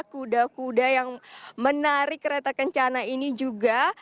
kuda kuda yang menarik kereta kencana ini juga